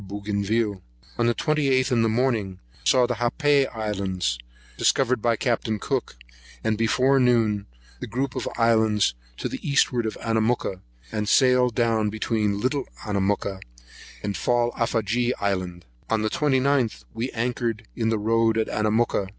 Bougainville. On the 28th, in the morning, saw the Happai Islands, discovered by Capt. Cook, and before noon, the group of islands to the eastward of Anamooka, and sailed down between Little Anamooka and the Fallafagee Island. On the 29th, we anchored in the road of Anamooka.